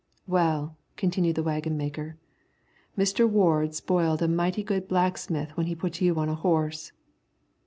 "Well," continued the waggon maker, "Mr. Ward spoiled a mighty good blacksmith when he put you on a horse."